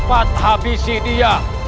cepat habisi dia